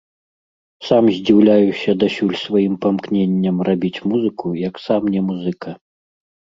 Сам здзіўляюся дасюль сваім памкненням рабіць музыку, як сам не музыка.